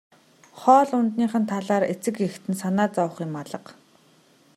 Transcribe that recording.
Хоол ундных нь талаар эцэг эхэд нь санаа зовох юм алга.